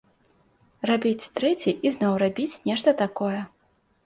Рабіць трэці і зноў рабіць нешта такое.